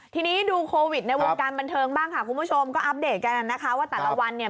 ทีนี้ดูโควิดในวงการบันเทิงบ้างค่ะคุณผู้ชมก็อัปเดตกันนะคะว่าแต่ละวันเนี่ย